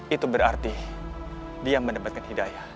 itu berarti dia mendapatkan hidayah